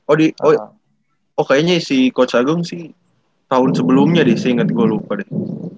oh kayaknya si coach agung sih tahun sebelumnya sih inget gue lupa deh